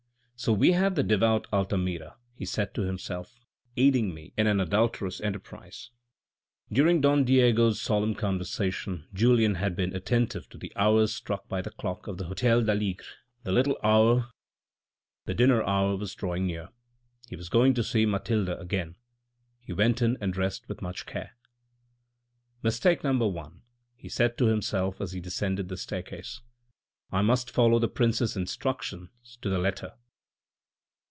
" So we have the devout Altamira," he said to him self, " aiding me in an adulterous enterprise." During Don Diego's solemn conversation Julien had been attentive to the hours struck by the clock of the Hotel d' Aligre. The dinner hour was drawing near, he was going to see Mathilde again. He went in and dressed with much care. " Mistake No. 1," he said to himself as he descended the staircase :" I must follow the prince's instructions to the letter."